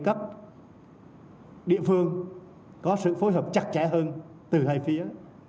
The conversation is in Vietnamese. các địa phương có sự phối hợp chặt chẽ hơn từ hai phía